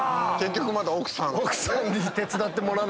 結局また奥さん。